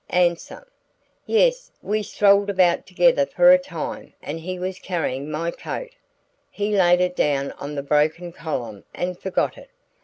"A. 'Yes, we strolled about together for a time and he was carrying my coat. He laid it down on the broken column and forgot it.